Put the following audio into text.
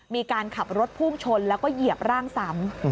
มีการขับรถพุ่งชนแล้วก็เหยียบร่างซ้ำ